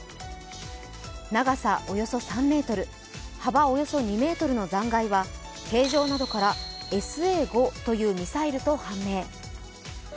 長さおよそ３ｍ、幅およそ２ｍの残骸は形状などから、ＳＡ５というミサイルと判明。